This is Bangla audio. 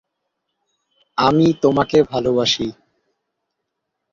আমি তোমাকে ভালবাসি।